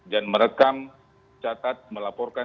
dan merekam catat melaporkan